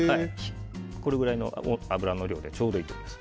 これぐらいの油の量でちょうどいいと思います。